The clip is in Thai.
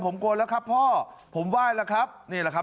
ผมกลัวแล้วครับพ่อผมไหว้แล้วครับนี่แหละครับ